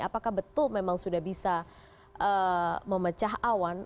apakah betul memang sudah bisa memecah awan